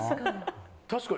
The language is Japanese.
確かに。